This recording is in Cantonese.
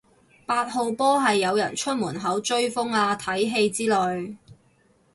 八號波係有人出門口追風啊睇戲之類